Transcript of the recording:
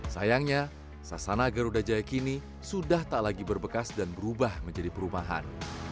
sayangnya sasana garuda jaya kini sudah tak lagi berbekas dan berubah menjadi perumahan